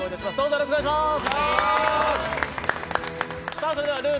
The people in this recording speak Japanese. よろしくお願いします。